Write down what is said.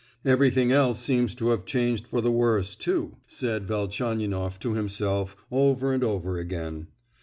"Everything else seems to have changed for the worse, too!" said Velchaninoff to himself, over and over again.